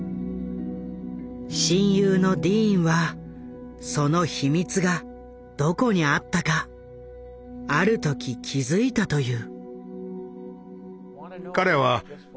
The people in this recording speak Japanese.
親友のディーンはその秘密がどこにあったかある時気付いたという。